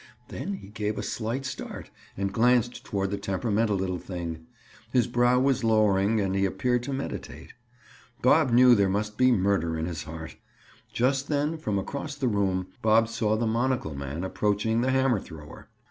Then he gave a slight start and glanced toward the temperamental little thing; his brow was lowering, and he appeared to meditate. Bob knew there must be murder in his heart. Just then from across the room, Bob saw the monocle man approaching the hammer thrower.